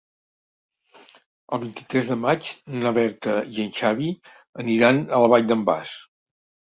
El vint-i-tres de maig na Berta i en Xavi aniran a la Vall d'en Bas.